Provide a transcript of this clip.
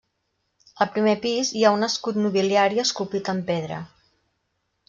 Al primer pis hi ha un escut nobiliari esculpit en pedra.